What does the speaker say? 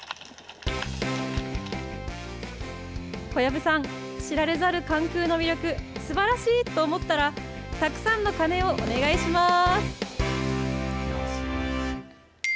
小籔さん、知られざる関空の魅力、すばらしいと思ったら、たくさんの鐘をお願いします。